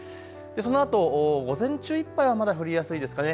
そのあと午前中いっぱい、雨が降りやすいですかね。